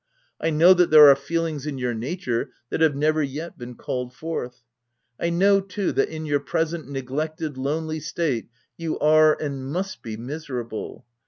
— I know that there are feelings in your nature that have never yet been called forth — I know, too, that in your present neglected, lonely state you are, and mast be miserable.